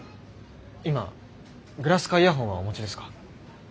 今グラスかイヤホンはお持ちですか？